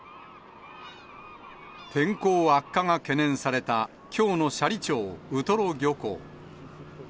天候悪化が懸念されたきょうの斜里町ウトロ漁港。